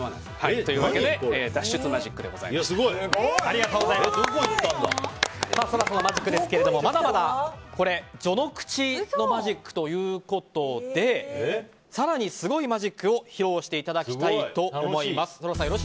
というわけでＳＯＲＡさんのマジックですがまだまだ序の口のマジックということで更にすごいマジックを披露していただきたいと思います。